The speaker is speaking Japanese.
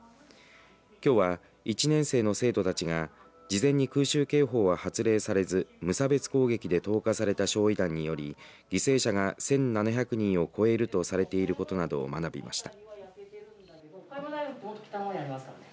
きょうは１年生の生徒たちが事前に空襲警報が発令されず無差別攻撃で投下された焼い弾により犠牲者が１７００人を超えるとされていることなどを学びました。